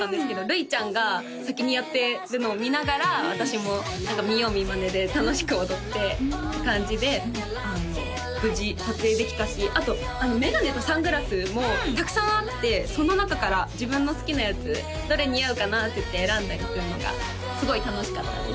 ルイちゃんが先にやってるのを見ながら私も何か見よう見マネで楽しく踊って感じで無事撮影できたしあと眼鏡とサングラスもたくさんあってその中から自分の好きなやつどれ似合うかな？っていって選んだりするのがすごい楽しかったです